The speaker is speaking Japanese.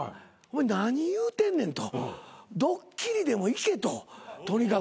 何言うてんねんとドッキリでも行けととにかく。